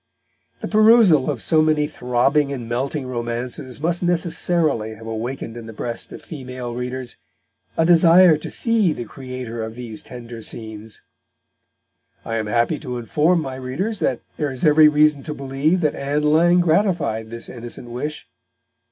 The perusal of so many throbbing and melting romances must necessarily have awakened in the breast of female readers a desire to see the creator of these tender scenes. I am happy to inform my readers that there is every reason to believe that Ann Lang gratified this innocent wish.